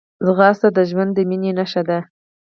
ځغاسته د ژوند د مینې نښه ده